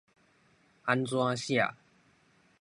按怎寫